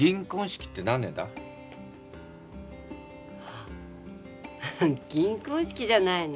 あっ銀婚式じゃないの？